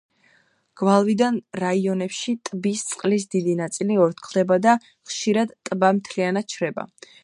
გვალვიან რაიონებში ტბის წყლის დიდი ნაწილი ორთქლდება და ხშირად ტბა მთლიანად შრება.